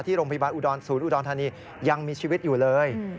ที่โรงพยาบาลศูนย์อุดอลธานียังมีชีวิตอยู่เลย